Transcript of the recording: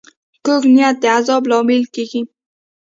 کوږ نیت د عذاب لامل کېږي